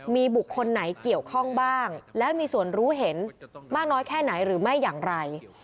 มีบุคคลไหนเกี่ยวข้องบ้างและมีส่วนรู้เห็นมากน้อยแค่ไหนหรือไม่อย่างไร